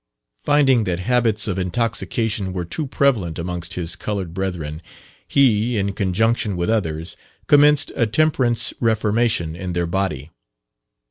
Finding that habits of intoxication were too prevalent amongst his coloured brethren, he, in conjunction with others, commenced a temperance reformation in their body.